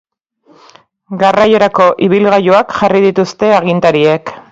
Garraiorako ibilgailuak jarri dituzte agintariek.